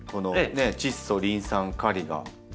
チッ素リン酸カリが。